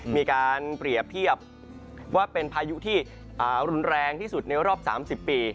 มีการเปรียบเทียบว่าเป็นพายุที่รุนแรงที่สุดในรอบ๓๐ปี